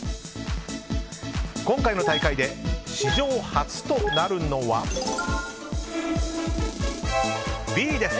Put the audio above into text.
今回の大会で史上初となるのはＢです。